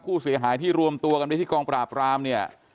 ผู้เสียหายที่รวมตัวกันไปที่กองปราบรามเนี่ย